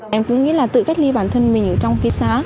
em cũng nghĩ là tự cách ly bản thân mình ở trong kỳ xã